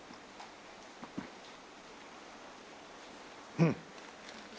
うん。